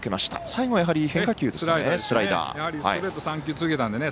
最後は変化球、スライダーですね。